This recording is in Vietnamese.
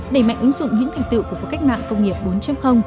đẩy mạnh ứng dụng những thành tựu của cuộc cách mạng công nghiệp bốn